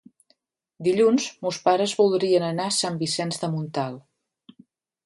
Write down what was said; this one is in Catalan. Dilluns mons pares voldrien anar a Sant Vicenç de Montalt.